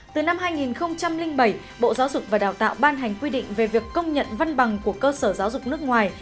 từ năm hai nghìn bảy bộ giáo dục và đào tạo ban hành quy định về việc công nhận văn bằng của cơ sở giáo dục nước ngoài